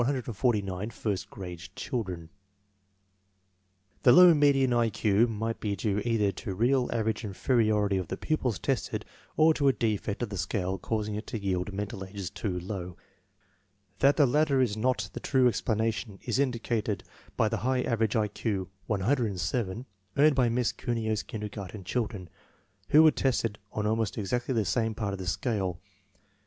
14. I Q DISTRIBUTION OF 149 FIBST GBADE CHILDREN The low median I Q might be due either to real aver age inferiority of the pupils tested or to a defect of the scale causing it to yield mental ages too low. That the latter is not the true explanation is indicated by the high average I Q (107) earned by Miss Cuneo's kinder garten children, who were tested on almost exactly the same part of the scale.